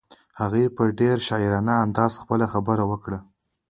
هغې په ډېر شاعرانه انداز خپله خبره وکړه.